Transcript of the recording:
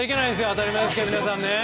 当たり前ですけど、皆さん。